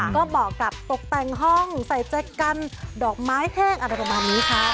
ก็เหมาะกับตกแต่งห้องใส่แจ็คกันดอกไม้แห้งอะไรประมาณนี้ค่ะ